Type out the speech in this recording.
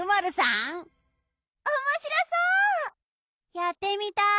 やってみたい。